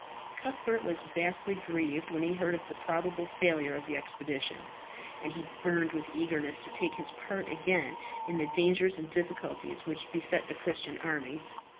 Cuthbert was vastly grieved when he heard of the probable failure of the expedition, and he burned with eagerness to take his part again in the dangers and difficulties which beset the Christian army.